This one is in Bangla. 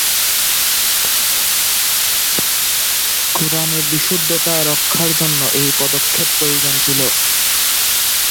কুরআনের বিশুদ্ধতা রক্ষার জন্য এই পদক্ষেপ প্রয়োজন ছিল।